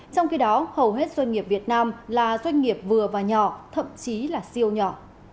trong khi đó hầu hết doanh nghiệp việt nam là doanh nghiệp vừa và nhỏ thậm chí là siêu nhỏ